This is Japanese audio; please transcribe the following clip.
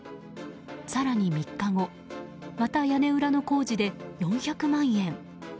更に３日後また屋根裏の工事で４００万円。